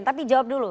tapi jawab dulu